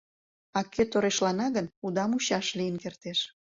А кӧ торешлана гын, уда мучаш лийын кертеш.